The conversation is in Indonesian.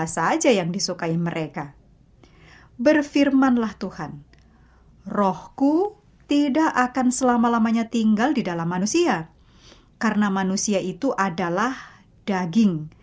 saya akan bacakan dari studio